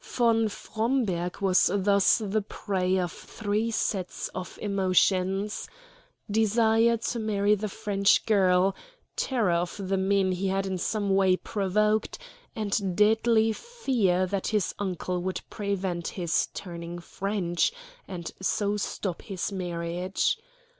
Von Fromberg was thus the prey of three sets of emotions desire to marry the French girl; terror of the men he had in some way provoked; and deadly fear that his uncle would prevent his turning French, and so stop his marriage.